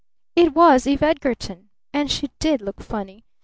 It was Eve Edgarton! And she did look funny!